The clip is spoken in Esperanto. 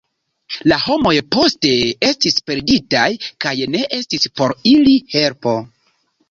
La homoj poste estis perditaj kaj ne estis por ili helpo.